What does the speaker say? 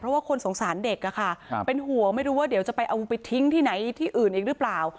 เพราะว่าคนสงสารเด็กอะค่ะเป็นห่วงไม่รู้ว่าเดี๋ยวจะไปเอาไปทิ้งที่ไหนที่อื่นอีกหรือเปล่า